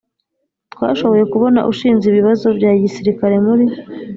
twashoboye kubona ushinze ibibazo bya gisirikari muri